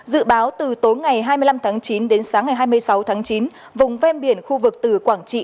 dự báo từ tối ngày hai mươi năm tháng chín đến sáng ngày hai mươi sáu tháng chín vùng ven biển khu vực từ quảng trị